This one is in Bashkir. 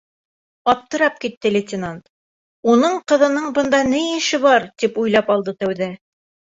Аптырап китте лейтенант, уның ҡыҙының бында ни эше бар, тип уйлап алды тәүҙә.